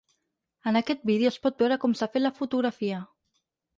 En aquest vídeo es pot veure com s’ha fet la fotografia.